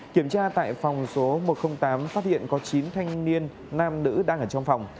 kiểm tra tại phòng số một trăm linh tám phát hiện có chín thanh niên nam nữ đang ở trong phòng